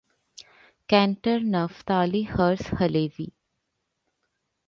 Cantor Naftali Herz Halevi.